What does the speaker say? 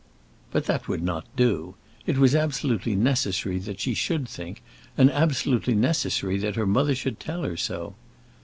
But that would not do. It was absolutely necessary that she should think, and absolutely necessary that her mother should tell her so.